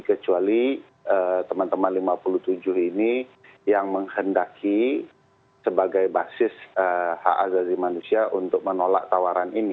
kecuali teman teman lima puluh tujuh ini yang menghendaki sebagai basis hak azazi manusia untuk menolak tawaran ini